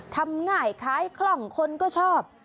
ทำง่ายคล้ายคล่องคนก็ชอบ